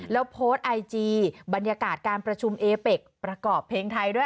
แล้วโพสต์ไอจีบรรยากาศการประชุมเอเป็กประกอบเพลงไทยด้วย